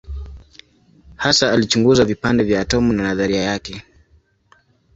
Hasa alichunguza vipande vya atomu na nadharia yake.